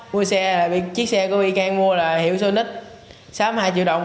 mua xe là chiếc xe của vy cang mua là hiểu số nít sáu mươi hai triệu đồng